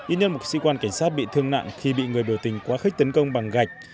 ít nhất một sĩ quan cảnh sát bị thương nặng khi bị người biểu tình quá khích tấn công bằng gạch